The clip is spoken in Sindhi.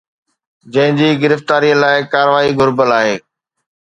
جنهن جي گرفتاري لاءِ ڪاروائي گهربل آهي